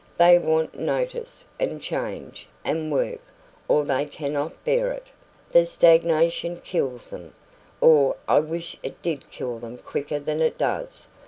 They want notice, and change, and work, or they cannot bear it. The stagnation kills them or I wish it did kill them quicker than it does.